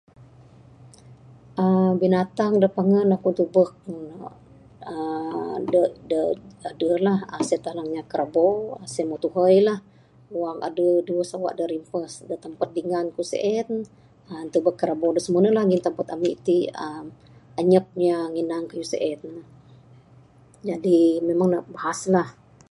aaa binatang da pangan aku tubek ne aaa adeh adeh la se tanang inya krabo sien meh tuhei la wang adeh duweh sawa da rimpas da tampat dingan ku sien krabo da simene la ngin da tampat ami ti uhh anyap inya nginang kayuh sien jadi memang ne bahas lah.